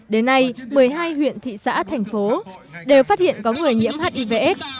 đến nay một mươi hai huyện thị xã thành phố đều phát hiện có người nhiễm hiv aids